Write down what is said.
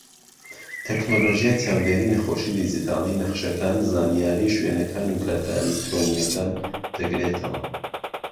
تەکنەلۆژیای چاودێری نەخۆشی دیجیتاڵی، نەخشەکان، زانیاری شوێنەکان و کارتە ئەلیکترۆنیەکان دەگرێتەوە.